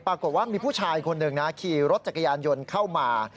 ปรากฏว่ามีผู้ชายคนหนึ่งนะขี่รถจักรยานยนต์เข้ามา